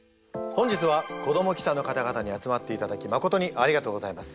本日は子ども記者の方々に集まっていただきまことにありがとうございます。